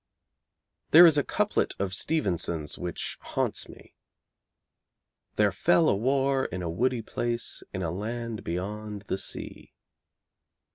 There is a couplet of Stevenson's which haunts me, 'There fell a war in a woody place in a land beyond the sea.'